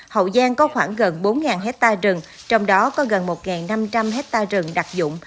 hậu giang có khoảng gần bốn hectare rừng trong đó có gần một năm trăm linh hectare rừng đặc dụng